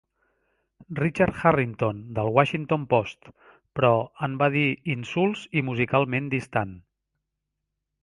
Richard Harrington del "Washington Post", però, en va dir "insuls i musicalment distant".